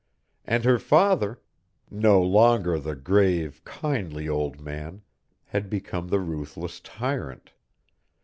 And her father no longer the grave, kindly old man had become the ruthless tyrant.